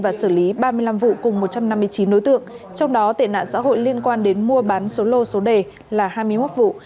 và xử lý ba mươi năm vụ cùng một trăm năm mươi chín đối tượng trong đó tệ nạn xã hội liên quan đến mua bán số lô số đề là hai mươi một vụ